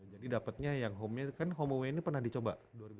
jadi dapatnya yang home nya kan home away ini pernah dicoba dua ribu sembilan belas